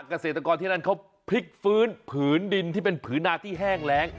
เกษตรกรที่นั่นเขาพลิกฟื้นผืนดินที่เป็นผืนนาที่แห้งแรง